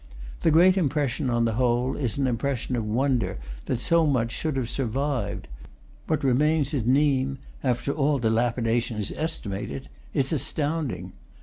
The great impression, on the whole, is an impression of wonder that so much should have sur vived. What remains at Nimes, after all dilapidation is estimated, is astounding.